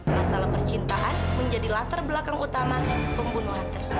masalah percintaan menjadi latar belakang utama pembunuhan tersebut